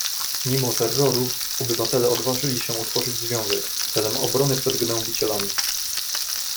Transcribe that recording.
"Mimo terroru, obywatele odważyli się utworzyć związek, celem obrony przed gnębicielami."